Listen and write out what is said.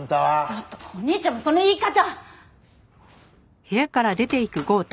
ちょっとお兄ちゃんもその言い方。